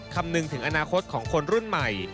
คำนึงถึงอนาคตของคนรุ่นใหม่